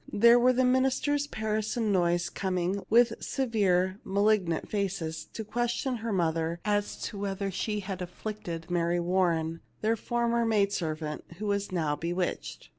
There were the ministers Parris and Noyes coming, with severe malignant faces, to question her mother as to whether she had af flicted Mary Warren, their former maid servant, who was now bewitched.